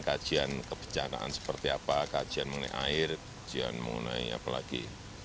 kajian kebancanaan seperti apa kajian mengenai air kajian mengenai apa lagi